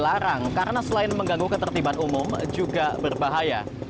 dilarang karena selain mengganggu ketertiban umum juga berbahaya